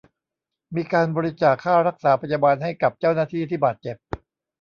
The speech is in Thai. มีการบริจาคค่ารักษาพยาบาลให้กับเจ้าหน้าที่ที่บาดเจ็บ